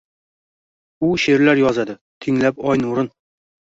U sheʼrlar yozadi, tinglab oy nurin –